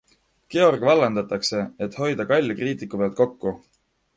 Georg vallandatakse, et hoida kalli kriitiku pealt kokku.